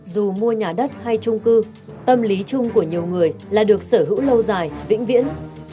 dù mua nhà đất hay trung cư tâm lý chung của nhiều người là được sở hữu lâu dài vĩnh viễn